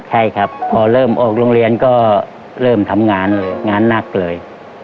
ใช่ครับพอเริ่มออกโรงเรียนก็เริ่มทำงานงานหนักเลย